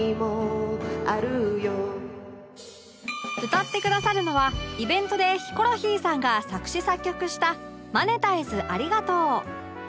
歌ってくださるのはイベントでヒコロヒーさんが作詞作曲した『マネタイズありがとう』